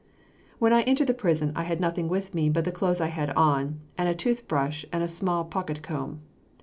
When I entered the prison I had nothing with me but the clothes I had on, and a tooth brush and a small pocket comb.